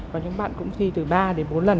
và những bạn cũng thi từ ba đến bốn lần